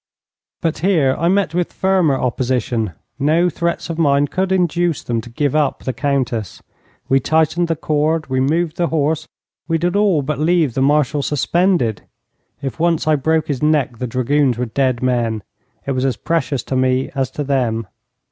But here I met with firmer opposition. No threats of mine could induce them to give up the Countess. We tightened the cord. We moved the horse. We did all but leave the Marshal suspended. If once I broke his neck the dragoons were dead men. It was as precious to me as to them.